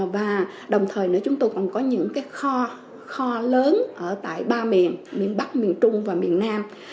và đồng thời nữa chúng tôi còn có những kho lớn ở tại ba miền miền bắc miền trung và miền nam